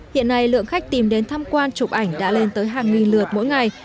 hiện nay lượng khách tìm đến tham quan chụp ảnh đã lên tới hàng nghìn lượt mỗi ngày